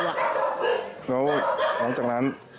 แล้วหลังจากนั้น